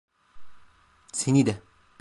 Seni de.